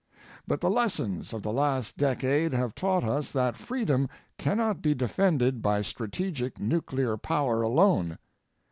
II. But the lessons of the last decade have taught us that freedom cannot be defended by strategic nuclear power alone.